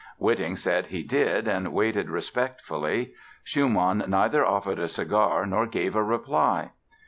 Witting said he did and waited respectfully. Schumann neither offered a cigar nor gave a reply.